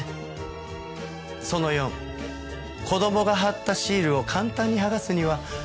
その４子供が貼ったシールを簡単に剥がすには。